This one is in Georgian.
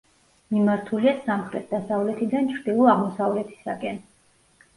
მიმართულია სამხრეთ-დასავლეთიდან ჩრდილო-აღმოსავლეთისაკენ.